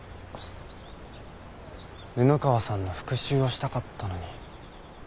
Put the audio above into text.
布川さんの復讐をしたかったのに。